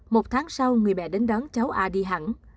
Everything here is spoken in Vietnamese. một tháng sau người mẹ đến đón cháu a đi hẳn